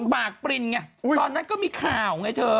ปากปรินไงตอนนั้นก็มีข่าวไงเธอ